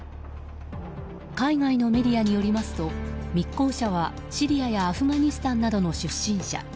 海外のメディアによりますと密航者はシリアやアフガニスタンなどの出身者。